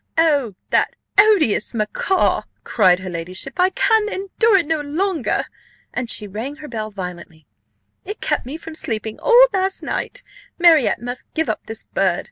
"Oh, that odious macaw!" cried her ladyship, "I can endure it no longer" (and she rang her bell violently): "it kept me from sleeping all last night Marriott must give up this bird.